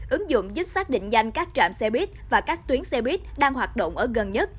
ứng dụng giúp xác định nhanh các trạm xe buýt và các tuyến xe buýt đang hoạt động ở gần nhất